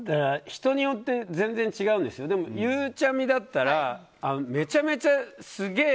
人によって全然違うんですがゆうちゃみだったらめちゃめちゃすげー